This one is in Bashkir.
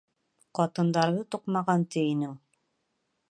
Ҡатындарҙы туҡмаған ти инең.